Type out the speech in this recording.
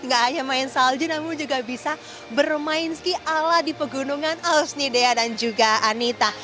gak hanya main salju namun juga bisa bermain ski ala di pegunungan ausnidea dan juga anita